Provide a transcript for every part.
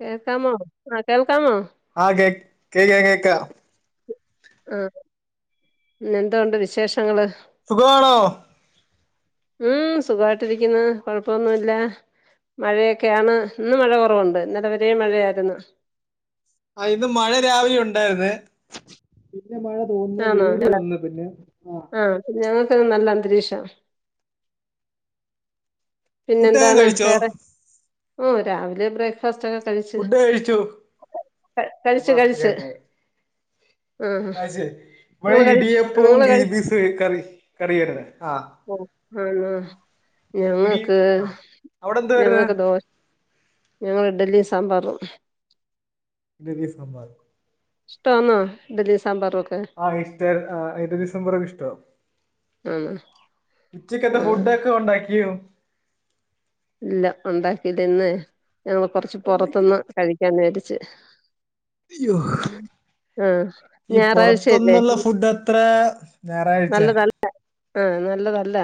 കേൾക്കാമോ ആ കേൾക്കാമോ ആഹ് കേക് കേക്ക കേക്ക ആഹ് പിന്നെന്തുണ്ട് വിശേഷങ്ങള് സുഖാണോ ഉം സുഖായിട്ടിരിക്ക്ന്ന് കൊഴപ്പൊന്നുല്ല മഴയൊക്യാണ് ഇന്ന് മഴ കൊറവ്ണ്ട് ഇന്നലെ വേരേം മഴായിരുന്നു ആ ഇന്ന് മഴ രാവിലെ ഉണ്ടായിര്ന്ന് പിന്നെ മഴ പോന്ന് വെയില് വന്ന് പിന്നെ ആഹ് ഞങ്ങക്ക്ന്ന് നല്ലന്തരീക്ഷ ഫുഡൊക്കെ പിന്നെന്താണ് കഴിച്ചോ വേറെ ഓ രാവിലെ ബ്രേക്ക് കൊർച്ചൊക്കെ കഴിച്ചു ഫുഡ് കഴിച്ചു കഴിച്ചു ബ്രേക്ക്ഫാസ്റ്റ് കഴിച്ച് കഴിഞ്ഞ് ആഹ് കഴിച്ച് ങ്ങള് കഴി ങ്ങള് കഴി ഹ് കറി കറിയാര്ന്ന് ആഹ് ഓ ആണോ ഇടി ഞങ്ങക്ക് ആ അവിടെ എന്ത് വരുന്നെ ഞങ്ങക്ക് ദോ ഞങ്ങള് ഡ്ഢലി സാമ്പാറും ഇഡ്ഢലി സാമ്പാറ് ഇഷ്‌ടാന്നോ ഇഡലി സാമ്പാറൊക്കെ ആഹ് ഇഷ്ട ആ ഇഡലിസാമ്പാറൊക്കെഷ്ടാ ആണോ ഉച്ചക്കത്തെ ആ ഫുഡൊക്കെ ഒണ്ടാക്യോ ഇല്ല ഒണ്ടാക്കില്ല ന്ന് ഞങ്ങള് കൊറച്ച് ഉണ്ടാക്കില്ല പൊറത്ത്ന്ന് കഴിക്കാ വിചാരിച്ച് ഇയ്യോ ആഹ് ഈ ഞായറാഴ്ചയല്ലേ പൊറത്ത്ന്ന്ള്ള ഫുഡത്രേ ഞാറാഴ്ചെ നല്ലതല്ല ആഹ് നല്ലതല്ല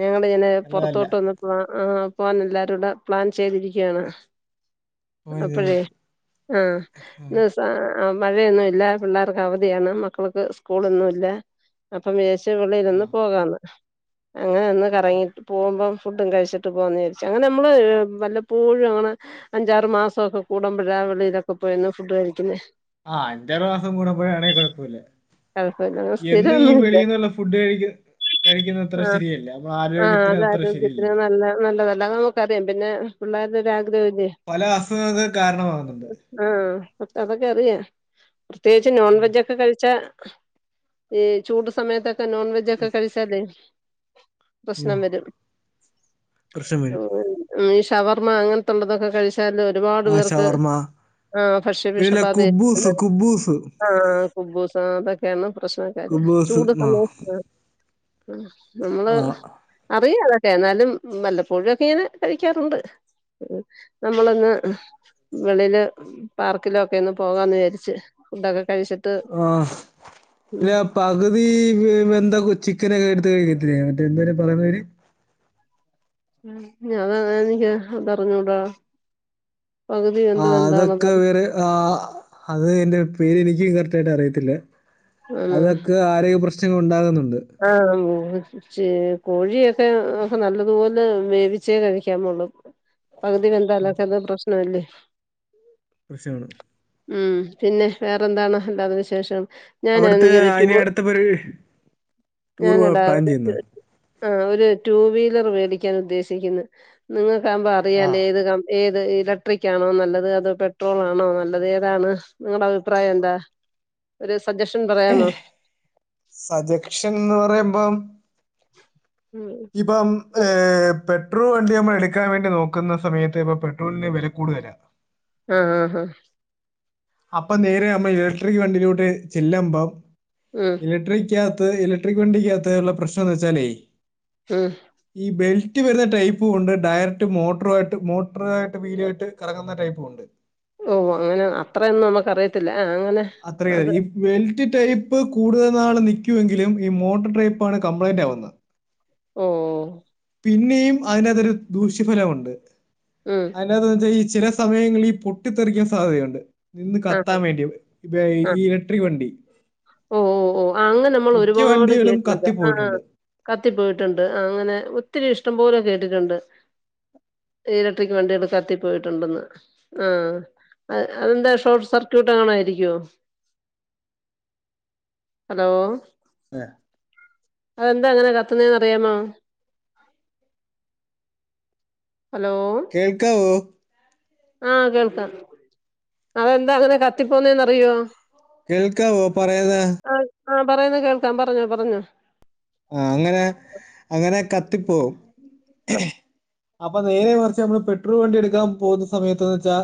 ഞങ്ങളിങ്ങനെ പൊറത്തോട്ട് നല്ലതല്ല വന്നപ്പൊ ആഹ് പോവാൻ എല്ലാരുടെ പ്ലാൻ ചെയ്തിരിക്കാണ് അപ്പഴേ മര്യാദക്ക് ആ ആഹ് ന് സാ ആഹ് മഴയൊന്നുല്ല പിള്ളേർക്കവധിയാണ് മക്കൾക്ക് സ്കൂളൊന്നുല്ല അപ്പം വിചാ ആ [unintelligible] പോവാന്ന് അങ്ങനെ ഒന്ന് കറങ്ങി പോവുമ്പം ഫുഡും കഴിച്ച് ട്ട് പോകാന്ന്ചാരിച്ചു അങ്ങനെ നമ്മള് വല്ലപ്പോഴു അങ്ങനെ അഞ്ചാറ് മാസൊക്കെ കൂടുമ്പഴാ വെളിലൊക്കെ പോയൊന്ന് ഫുഡ് കഴിക്കുന്നേ ആഹ് അഞ്ചാറ് മാസം കൂടുമ്പഴാണെ കൊഴപ്പുല്ല കുഴപ്പമില്ല എന്ന് ഈ സ്ഥിരൊന്നുല്ല വെളീന്ന്ള്ള ഫുഡ് കഴിക്ക കഴിക്കുന്നത്ര ആഹ് ശെരിയല്ല ആഹ് നമ്മളാരോഗ്യത്തിന് അതത്ര ശെരിയല്ലത് ക്കറിയാം പിന്നെ പിള്ളാരുടെ ഒരു ആഗ്രഹല്ലേ പല അസുഖങ്‌ക്ക് കാരണമാകുന്നുണ്ട് ആഹ് അതൊക്കെറിയാ പ്രത്യേകിച്ച് നോൺ ഉം. വെജൊക്കെ കഴിച്ചാ ഈ ചൂട് സമയത്തൊക്കെ നോൺവെജൊക്കെ കഴിച്ചാലേ ഓ പ്രശ്നം വെരും പ്രശ്നം വരും ഈ ഷവർമ്മ അങ്ങൻത്തുള്ളതൊക്കെ കഴിച് ച്ചാലൊരുപാട് ആ പേർക്ക് ഷവർമ്മ ആഹ് പിന്നല്ല ഭക്ഷ്യവിഷബാത കുബൂസ് ഏറ്റിട്ടുണ്ട് കുബൂസ് ആഹ് കുബൂസ് അതൊക്കേണ് പ്രശ്നക്കാര് കുബൂസ് ചൂട് ആ സമയത്ത് നമ്മള് ആ അറിയുംഅതൊക്കെ എന്നാലും വല്ലപ്പൊഴൊക്കെങ്ങനെ കഴിക്കാറുണ്ട്. ഉ നമ്മളന്ന് വെളില് പാർക്കിലൊക്കെന്ന് പോകാന്ന് വിചാരിച്ച് ഫുഡൊക്കെ കഴിച്ചിട്ട് ആഹ് ല ഉം പകുതീ വ് വെന്ത ചിക്കനൊക്കെടുത്ത് കഴിക്കത്തില്ലേ മറ്റേ എന്തായിന് പറയ്ന്ന പേര് ഞാൻ ത എനിക്കത് അറിഞ്ഞൂടാ ആ അതൊക്കെവര് ആ അത് എന്റെ പേര് എനിക്കും കറക്റ്റായിട്ടറിയത്തില്ല ആണോ അതൊക്കെ ആരോഗ്യ പ്രശ് ശ്നങ്ങൾ ഉണ്ടാകുന്നുണ്ട്. ആഹ് മൂവ്സ് ഷേ കോഴിയൊക്കെ നല്ലതുപോലെ വേവിച്ചേ കഴിക്കാമൊള്ളൂ പകുതി വെന്താലക്കെന്തോ പ്രശ്നല്ലേ പ്രശ്നാണ് ഉം പിന്നെ വേറെന്താണ് എന്താണ് വിശേഷം ഞാനാനെങ്കി ഒര് ടൂ ത്തം പരേ ഞാനെടാ ഒരു ആ ഒരു ടു വീലർ വേടിക്കാനുദ്ദേശിക്കുന്നു നിങ്ങക്കാവുമ്പോ ആ അറിയാലേത് ക ഏത് ഇലക്ട്രിക്കാണോ നല്ലത് അതോ പെട്രോളാണോ നല്ലത് ഏതാണ്? നിങ്ങടഭിപ്രായെന്താ ഒരു സജഷൻ പറയാമോ? സജക്ഷൻന്ന് പറയുമ്പം [inaudible] ഇപ്പം ഏഹ് പെട്രോൾ വണ്ടി നമ്മൾ എടുക്കാൻ വേണ്ടി നോക്കുന്ന സമയത്ത് ഇപ്പൊ പെട്രോളിന്റെ വില കൂടുതലാ ആഹ് ഹ അപ്പൊ നേരെ നമ്മൾ ഇലക്ട്രിക് വണ്ടിയിലോട്ട് ചെല്ലുമ്പം ഉം ഇലക്ട്രിക്കകത്ത് ഇലക്ട്രിക് വണ്ടിക്കകത്ത ഉള്ള പ്രശ്നം എന്ന് വെച്ചാലേ ഉം ഈ ബെൽറ്റ് വരുന്ന ടൈപ്പും ഒണ്ട് ഡയറക്റ്റ് മോട്ടറു ആയിട്ട് മോട്ടറും ആയിട്ട് വീലായിട്ട് കറങ്ങുന്ന ടൈപ്പും ഉണ്ട് ഓ ഓ അങ്ങനെ അത്രയൊന്നും നമുക്കറിയത്തില്ല ആഹ് അങ്ങനെ അത്രയ അത് ഇ.. വെൽറ്റ് ടൈപ്പ് കൂടുതൽ നാള് നൽക്കുമെങ്കിലും ഈ മോട്ടർ ടൈപ്പാണ് കംപ്ലൈൻറ് ആവുന്നത് ഓ ഓ പിന്നെയും അതിനത്തൊരു ദൂഷ്യഫലമുണ്ട് ഉം അതിനതെന്നു വെച്ചാൽ ഈ ചില സമയങ്ങളിൽ ഈ പൊട്ടിത്തെറിക്കാൻ സാധ്യതയുണ്ട് നിന്ന് ആഹ് കത്താൻ വേണ്ടി ഇപ്പ ആഹ് ഈ ഇലട്രി വണ്ടി ഓ ഓ ഓ അങ്ങനെ അമ്മൾ മിക്ക ഒരുപാട് വണ്ടികളും കേട്ടത് ആഹ് ആഹ കത്തിപ്പോയിട്ടുണ്ട് കത്തിപ്പോയിട്ടുണ്ട് ആ അങ്ങനെ ഒത്തിരി ഇഷ്ടം പോലെ കേട്ടിട്ടുണ്ട് ഇലക്ട്രിക് വണ്ടികള് കത്തി പോയിട്ടുണ്ടന്ന് ആഹ് അത് അതെന്താ ഷോർട്ട് സർക്യൂട്ട് എങ്ങണായിരിക്കുവോ ഹലോ അതേ അതെന്താ അങ്ങനെ കത്തുന്നേന്ന് അറിയാമോ ഹലോ കേൾക്കാവോ ആഹ് കേൾക്കാം അതെന്താ അങ്ങനെ കത്തിപ്പോന്നന്ന് അറിയോ കേൾക്കാവോ പറയുന്നേ ആഹ് ആഹ് പറയുന്നത് കേൾക്കാം പറഞ്ഞോ പറഞ്ഞോ ആഹ് അങ്ങനെ അങ്ങനെ കത്തിപോകും അപ്പൊ നേരെ മറിച്ച് നമ്മള് പെട്രോൾ വണ്ടി എടുക്കാൻ പോകുന്ന സമയത്ത്ന്ന് വെച്ചാ